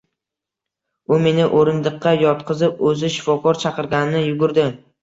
U meni o`rindiqqa yotqizib, o`zi shifokor chaqirgani yugurdi